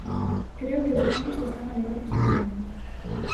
Creo que os nenos o están a levar bastante ben.